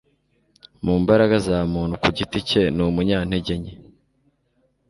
Mu mbaraga za muntu ku giti cye ni umunyantege nke